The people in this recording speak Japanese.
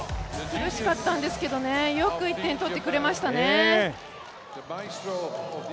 苦しかったんですけどね、よく１点取ってくれましたね。